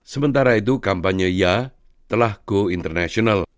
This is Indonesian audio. sementara itu kampanye ya telah go international